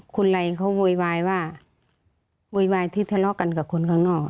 คุณไรเขาโวยวายว่าโวยวายที่ทะเลาะกันกับคนข้างนอก